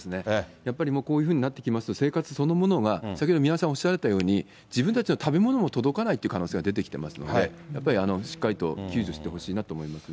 やっぱりこういうふうになってきますと、生活そのものが、先ほど、宮根さんおっしゃられたように、自分たちの食べ物も届かないという可能性が出てきてますので、やっぱりしっかりと救助してほしいなと思いますね。